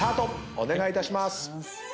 お願いいたします。